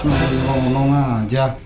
mari rong rong aja